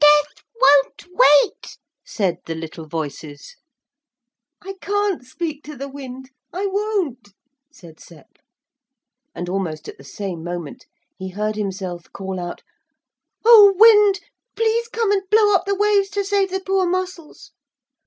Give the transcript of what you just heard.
'Death won't wait,' said the little voices. 'I can't speak to the wind, I won't,' said Sep, and almost at the same moment he heard himself call out, 'Oh wind, please come and blow up the waves to save the poor mussels.'